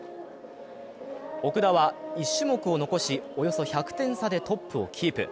奥田は１種目を残し、およそ１００点差でトップをキープ。